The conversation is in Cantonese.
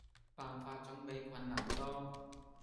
辦法總比困難多